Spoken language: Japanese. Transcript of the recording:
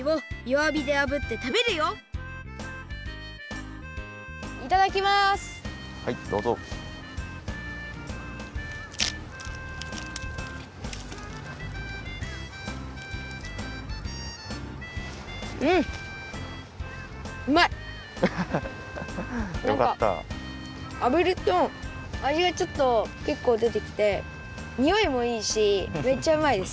あぶるとあじがけっこうでてきてにおいもいいしめっちゃうまいです。